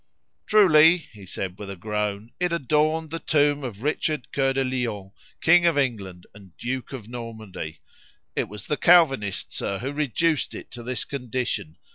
"Truly," he said with a groan, "it adorned the tomb of Richard Coeur de Lion, King of England and Duke of Normandy. It was the Calvinists, sir, who reduced it to this condition.